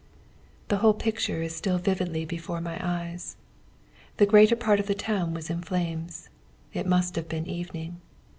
"The whole picture is still vividly before my eyes. The greater part of the town was in flames. It must have been evening.